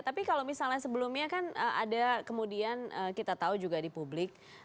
tapi kalau misalnya sebelumnya kan ada kemudian kita tahu juga di publik